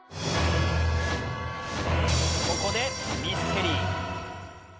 ここでミステリー